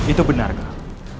itu benar kak